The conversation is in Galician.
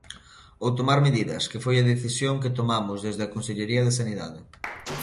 Ou tomar medidas, que foi a decisión que tomamos desde a Consellería de Sanidade.